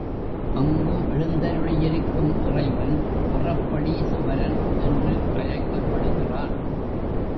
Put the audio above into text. அங்கு எழுந்தருளியிருக் கும் இறைவன் அறப்பளீசுவரன் என்று அழைக்கப் படுகிறான்.